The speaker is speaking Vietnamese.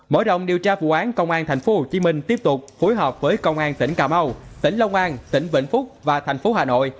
mở rộng điều tra vụ án công an thành phố hồ chí minh tiếp tục phối hợp với công an tỉnh cà mau tỉnh long an tỉnh vĩnh phúc và thành phố hà nội